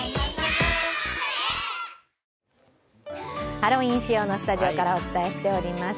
ハロウィーン仕様のスタジオからお伝えしております。